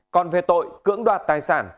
còn về tội cưỡng đoạt tài sản